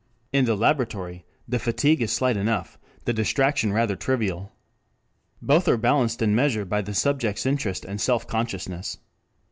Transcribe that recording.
In the laboratory the fatigue is slight enough, the distraction rather trivial. Both are balanced in measure by the subject's interest and self consciousness.